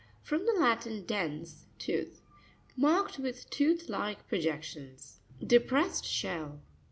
— From the Latin, dens, tooth. Marked with tooth like projections. DEPRESSED SHELL.